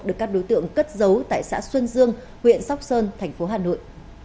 được các đối tượng cất giấu tại xã xuân dương huyện sóc sơn thành phố hà nội